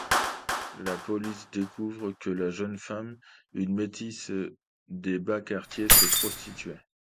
La police découvre que la jeune femme, une métisse des bas quartiers, se prostituait.